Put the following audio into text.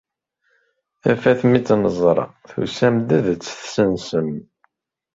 Tafat mi tt-neẓra, tusam-d ad tt-tessensem.